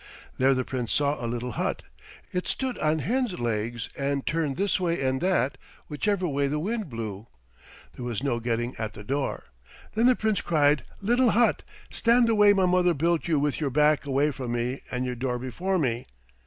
There the Prince saw a little hut. It stood on hen's legs and turned this way and that, whichever way the wind blew. There was no getting at the door. Then the Prince cried, "Little hut, stand the way my mother built you with your back away from me and your door before me."